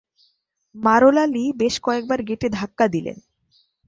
মারােলা লি বেশ কয়েকবার গেটে ধাক্কা দিলেন।